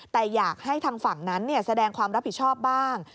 แต่อยากให้ทางฝั่งนั้นแสดงความรับผิดชอบบ้าง